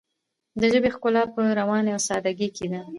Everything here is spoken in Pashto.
د ژبې ښکلا په روانۍ او ساده ګۍ کې ده.